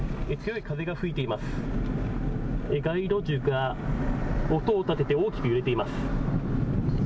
街路樹が音を立てて大きく揺れています。